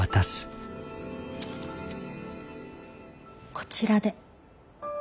こちらで。